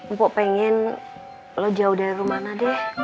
mpok pengen lo jauh dari mana deh